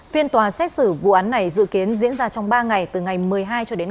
phiên tòa xét xử vụ án này dự kiến diễn ra trong ba ngày từ ngày một mươi hai cho đến ngày một mươi bốn tháng bảy